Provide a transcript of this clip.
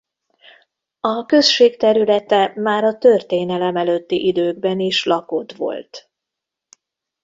A község területe már a történelem előtti időkben is lakott volt.